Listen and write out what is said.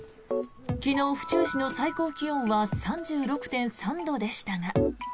昨日、府中市の最高気温は３６．３度でしたが。